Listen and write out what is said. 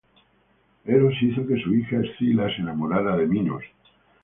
Eros hizo que su hija Escila se enamorara de Minos.